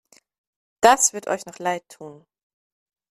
Das wird euch noch leidtun!